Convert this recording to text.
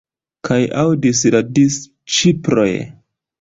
Kaj aŭdis la disĉiploj.